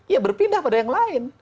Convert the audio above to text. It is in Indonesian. ya berpindah pada yang lain